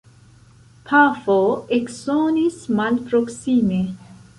Pafo eksonis malproksime.